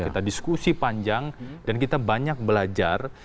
kita diskusi panjang dan kita banyak belajar